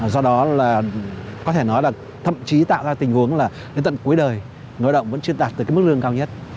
do đó là có thể nói là thậm chí tạo ra tình huống là đến tận cuối đời ngôi động vẫn chưa đạt được mức lương cao nhất